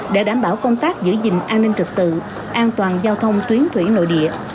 để đảm bảo công tác giữ gìn an ninh trực tự an toàn giao thông tuyến thủy nội địa